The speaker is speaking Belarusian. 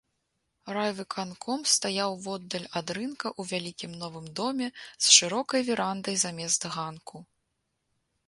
Райвыканком стаяў воддаль ад рынка ў вялікім новым доме з шырокай верандай замест ганку.